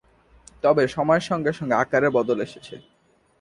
তবে সময়ের সঙ্গে সঙ্গে আকারে বদল এসেছে।